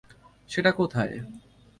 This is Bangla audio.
সেটা কোথায়?